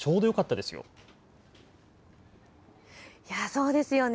そうですよね。